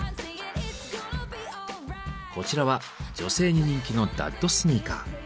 こちらは女性に人気の「ダッドスニーカー」。